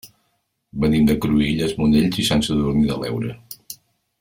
Venim de Cruïlles, Monells i Sant Sadurní de l'Heura.